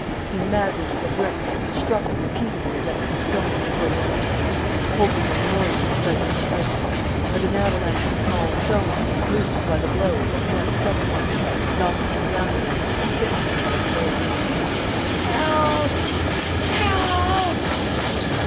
He madly took a brick and struck it repeatedly against the stone that closed the entrance, hoping that the noise would spread through the house. But an avalanche of small stones, loosened by the blows, at once fell upon him, knocking him down again and fixing him where he lay. "Help! Help!"